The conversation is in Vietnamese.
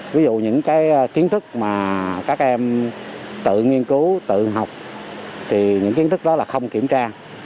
ví dụ những cái kiến thức mà các em tự nghiên cứu tự học thì những kiến thức đó là không kiểm tra